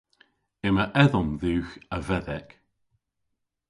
Yma edhomm dhywgh a vedhek.